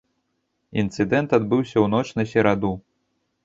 Інцыдэнт адбыўся ў ноч на сераду.